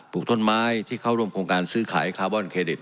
ลูกต้นไม้ที่เข้าร่วมโครงการซื้อขายคาร์บอนเครดิต